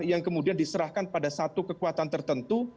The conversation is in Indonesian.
yang kemudian diserahkan pada satu kekuatan tertentu